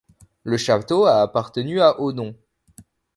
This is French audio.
Le château a appartenu à Odon.